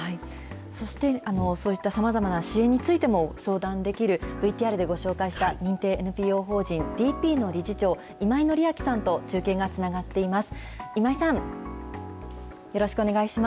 そしてそういったさまざまな支援についても相談できる、ＶＴＲでご紹介した認定ＮＰＯ法人Ｄ×Ｐの理事長、今井紀明さんと中継がつながっています。